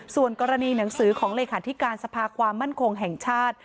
ส่วนกรณีหนังสือของเลขาธิการสภาความมั่นคงแห่งชาติ